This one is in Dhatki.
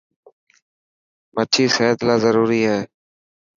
مڇي سحت لاءِ ضروري آهي.